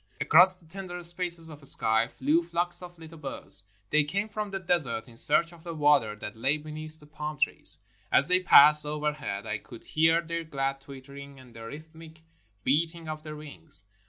Across the tender spaces of sky flew flocks of Uttle birds. They came from the desert in search of the water that lay beneath the palm trees. As they passed overhead I could hear their glad twittering and the rhythmic beating of their wings.